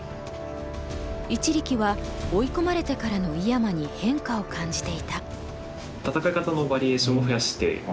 一力は追い込まれてからの井山に変化を感じていた。